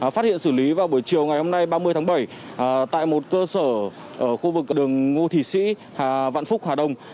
phát hiện xử lý vào buổi chiều ngày hôm nay ba mươi tháng bảy tại một cơ sở ở khu vực đường ngô thị sĩ vạn phúc hà đông